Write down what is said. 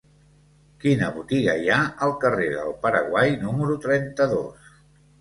Quina botiga hi ha al carrer del Paraguai número trenta-dos?